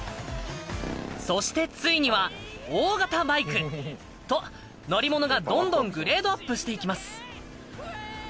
そしてついには大型バイク！と乗り物がどんどんグレードアップしていきます。